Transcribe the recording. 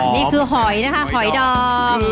นี่คือหอยนะคะหอยดอก